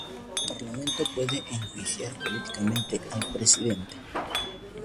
El parlamento puede enjuiciar políticamente al presidente.